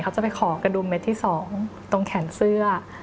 เขาจะไปขอกระดุมเม็ดที่๒ตรงแขนเสื้อ